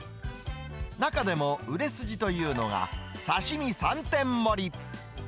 中でも売れ筋というのが、刺身３点盛り。